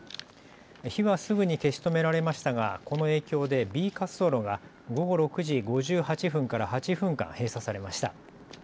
火はすぐに消し止められましたがこの影響でＢ滑走路が午後６時５８分から８分間閉鎖されました。